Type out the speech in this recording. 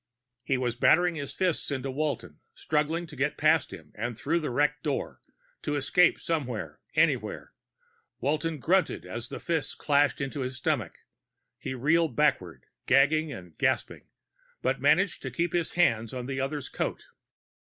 He was battering his fists into Walton, struggling to get past him and through the wrecked door, to escape somewhere, anywhere. Walton grunted as a fist crashed into his stomach. He reeled backward, gagging and gasping, but managed to keep his hand on the other's coat.